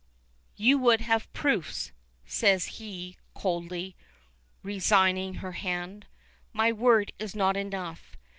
"You would have proofs," says he, coldly, resigning her hand. "My word is not enough.